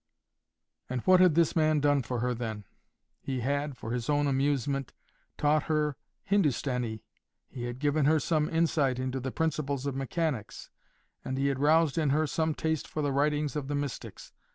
And what had this man done for her, then? He had, for his own amusement, taught her Hindostanee; he had given her some insight into the principles of mechanics, and he had roused in her some taste for the writings of the Mystics.